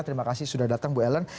terima kasih sudah datang bu ellen